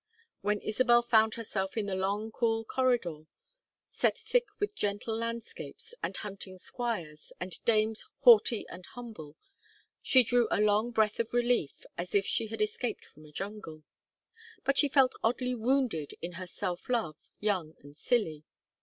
When Isabel found herself in the long cool corridor, set thick with gentle landscapes, and hunting squires, and dames haughty and humble, she drew a long breath of relief, as if she had escaped from a jungle. But she felt oddly wounded in her self love, young and silly.